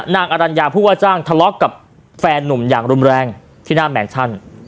อรัญญาผู้ว่าจ้างทะเลาะกับแฟนนุ่มอย่างรุนแรงที่หน้าแมนชั่น